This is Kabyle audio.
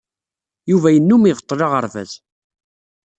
Yuba yennum ibeṭṭel aɣerbaz.